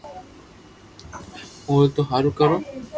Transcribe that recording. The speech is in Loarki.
او ٿو ھارو ڪرو